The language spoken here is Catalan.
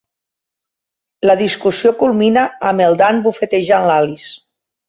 La discussió culmina amb el Dan bufetejant l'Alice.